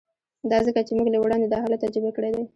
دا ځکه چې موږ له وړاندې دا حالت تجربه کړی دی